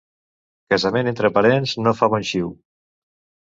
Casament entre parents no fa bon xiu.